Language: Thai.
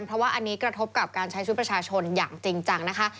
เพราะว่าอันนี้กระทบกับการใช้ชุดประชาชนอย่างจริงจังนะคะ